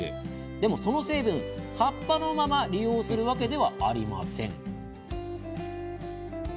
でも、その成分、葉っぱのまま利用するわけではありません。